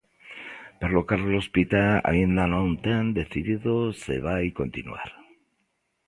Pero Carlos Pita aínda non ten decidido se vai continuar.